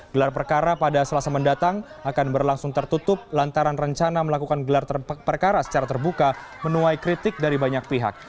gelar perkara pada selasa mendatang akan berlangsung tertutup lantaran rencana melakukan gelar perkara secara terbuka menuai kritik dari banyak pihak